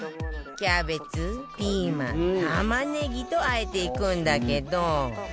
キャベツピーマン玉ねぎと和えていくんだけど